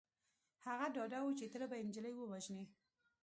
هغه ډاډه و چې تره به يې نجلۍ ووژني.